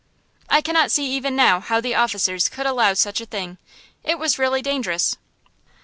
I cannot see even now how the officers could allow such a thing; it was really dangerous.